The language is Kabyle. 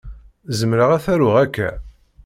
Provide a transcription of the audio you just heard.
Zemreɣ ad t-aruɣ akka?